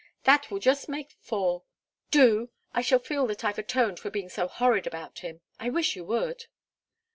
That will just make four. Do! I shall feel that I've atoned for being so horrid about him. I wish you would!"